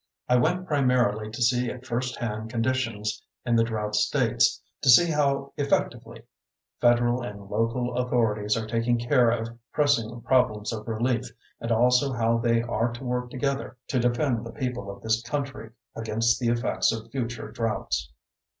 I went primarily to see at first hand conditions in the drought states; to see how effectively federal and local authorities are taking care of pressing problems of relief and also how they are to work together to defend the people of this country against the effects of future droughts.